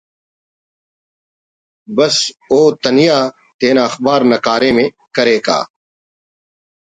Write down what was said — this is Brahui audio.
بس اوتنیا تینا اخبار نا کاریم ءِ کریکہ